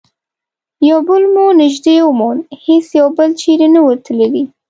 یو بل مو نژدې وموند، هیڅ یو بل چیري نه وو تللي.